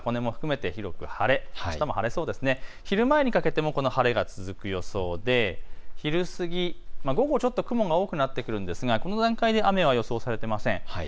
箱根も含めて広く晴れ、昼前にかけてもこの晴れが続く予想で昼過ぎ、午後、ちょっと雲が多くなってくるんですがこの段階で雨は予想されていません。